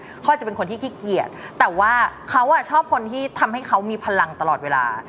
เขาอาจจะเป็นคนที่ขี้เกียจแต่ว่าเขาชอบคนที่ทำให้เขามีพลังตลอดเวลา